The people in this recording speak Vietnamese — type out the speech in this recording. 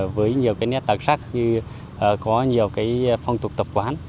với nhiều nét đặc sắc như có nhiều phong tục tập quán